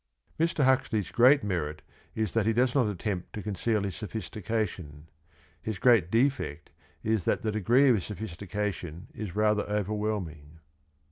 Mr. Huxley's great merit is that he does not attempt to conceal his sophistication. His great defect is that the degree of his sophistication is rather overwhelming.